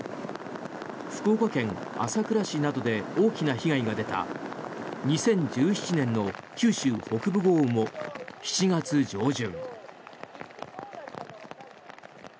福岡県朝倉市などで大きな被害が出た２０１７年の九州北部豪雨も７月上旬。